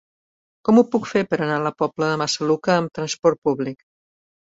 Com ho puc fer per anar a la Pobla de Massaluca amb trasport públic?